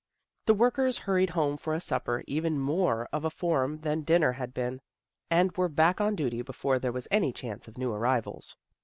The workers hurried home for a supper, even more of a form than dinner had been, and were back on duty before there was any chance of new arrivals.